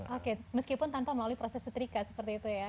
oke meskipun tanpa melalui proses setrika seperti itu ya